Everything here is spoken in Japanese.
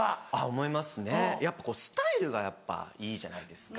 思いますねやっぱスタイルがやっぱいいじゃないですか。